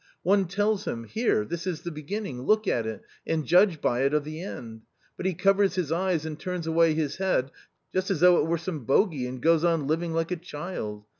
One tells him — here this is the beginning, look at it, and judge by it of the end ; but he covers his eyes and turns away his head just as though it were some bogy, and goes on living like a child.